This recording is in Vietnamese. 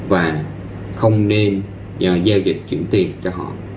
và không nên giao dịch chuyển tiền cho họ